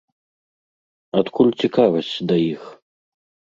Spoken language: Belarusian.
Адкуль цікавасць да іх?